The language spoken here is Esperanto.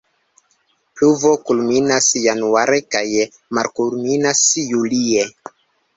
Pluvo kulminas Januare kaj malkulminas Julie.